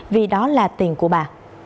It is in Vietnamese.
vì đó là tiền của bà